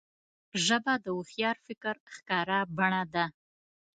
ژبه د هوښیار فکر ښکاره بڼه ده